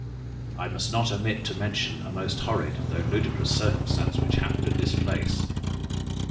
I must not omit to mention a most horrid (though ludicrous) circumstance which happened at this place.